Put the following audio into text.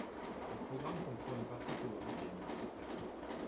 Le programme comprend une partie théorique et une partie pratique.